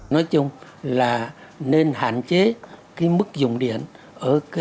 nói chung là nên hạn chế cái mức dùng điện ở cái